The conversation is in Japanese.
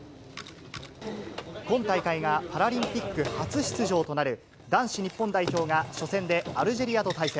今大会がパラリンピック初出場となる、男子日本代表が初戦でアルジェリアと対戦。